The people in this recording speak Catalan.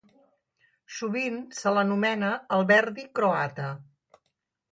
Sovint se l'anomena el Verdi croata.